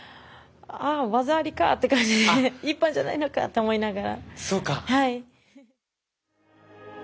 ああ技ありかという感じで一本じゃないのかと思いながら。